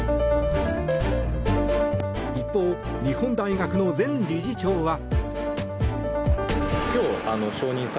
一方、日本大学の前理事長は。